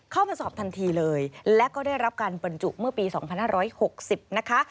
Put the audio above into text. เข้ามาสอบทันทีเลยและก็ได้รับการบรรจุเมื่อปี๒๕๖๐นะคะ